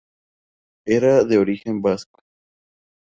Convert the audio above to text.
Era de origen vasco.